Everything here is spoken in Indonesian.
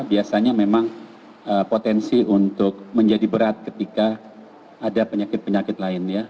biasanya memang potensi untuk menjadi berat ketika ada penyakit penyakit lain ya